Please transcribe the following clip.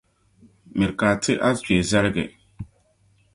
Miri ka a ti a kpee zalige.